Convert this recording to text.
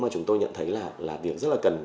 mà chúng tôi nhận thấy là việc rất là cần